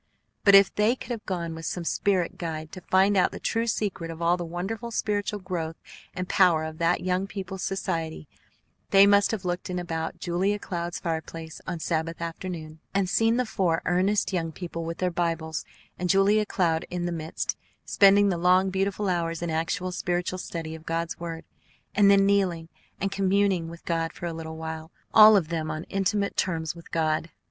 But, if they could have gone with some spirit guide to find out the true secret of all the wonderful spiritual growth and power of that young people's society, they must have looked in about Julia Cloud's fireplace on Sabbath afternoon, and seen the four earnest young people with their Bibles, and Julia Cloud in the midst, spending the long, beautiful hours in actual spiritual study of God's word, and then kneeling and communing with God for a little while, all of them on intimate terms with God.